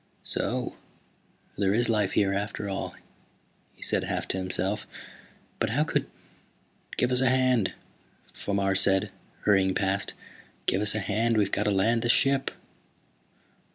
"So there is life here, after all," he said, half to himself. "But how could " "Give us a hand," Fomar said, hurrying past. "Give us a hand, we've got to land the ship!"